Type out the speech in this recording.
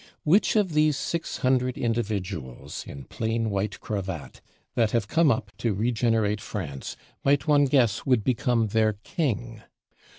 Which of these Six Hundred individuals, in plain white cravat, that have come up to regenerate France, might one guess would become their king?